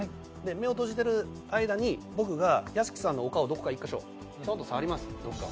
目を閉じている間に、僕が屋敷さんのお顔をどこか１か所、ちょんと触ります。